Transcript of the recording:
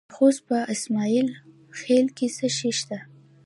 د خوست په اسماعیل خیل کې څه شی شته؟